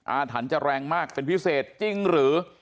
อาถรรพ์จะแรงมากเป็นพิเศษจริงหรือ